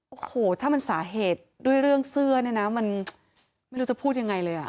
โอ้โหถ้ามันสาเหตุด้วยเรื่องเสื้อเนี่ยนะมันไม่รู้จะพูดยังไงเลยอ่ะ